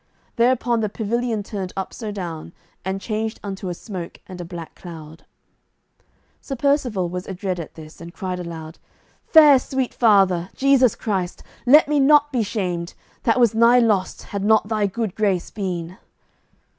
Thereupon the pavilion turned up so down, and changed unto a smoke and a black cloud. Sir Percivale was adread at this, and cried aloud, "Fair sweet Father, Jesu Christ, let me not be shamed, that was nigh lost, had not Thy good grace been!"